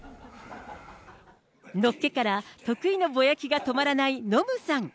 のっけから得意のぼやきが止まらないノムさん。